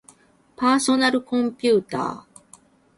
パーソナルコンピューター